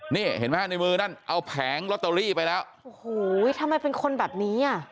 นี่เห็นไหมฮะในมือนั่นเอาแผงลอตเตอรี่ไปแล้วโอ้โหทำไมเป็นคนแบบนี้อ่ะ